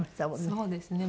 そうですね。